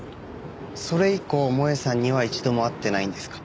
それ以降萌絵さんには一度も会ってないんですか？